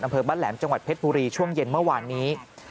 อำเภอบ้านแหลมจังหวัดเพชรบุรีช่วงเย็นเมื่อวานนี้